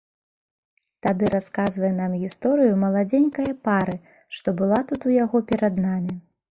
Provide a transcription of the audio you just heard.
Тады расказвае нам гісторыю маладзенькае пары, што была тут у яго перад намі.